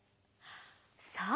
さあ